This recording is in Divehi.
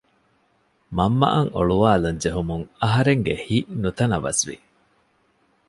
މަންމައަށް އޮޅުވާލަން ޖެހުމުން އަހަރެންގެ ހިތް ނުތަނަވަސް ވި